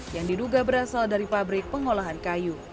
yang diduga berasal dari pabrik pengolahan kayu